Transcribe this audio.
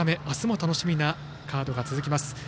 あすも楽しみなカードが続きます。